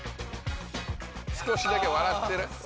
少しだけ笑ってる？